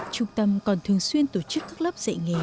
trung tâm còn thường xuyên tổ chức các lớp dạy nghề